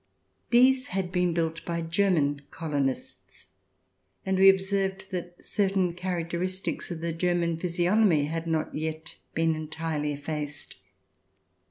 These had been built by German Colonists, and we observed that certain characteristics of the German physiognomy had not yet been entirely effaced.